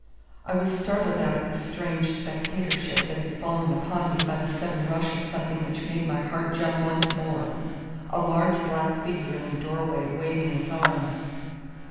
I was startled out of this strange spectatorship that had fallen upon me by the sudden rush of something which made my heart jump once more, a large black figure in the door way waving its arms.